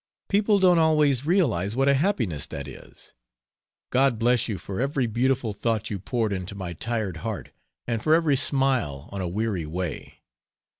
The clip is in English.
People don't always realize what a happiness that is! God bless you for every beautiful thought you poured into my tired heart and for every smile on a weary way!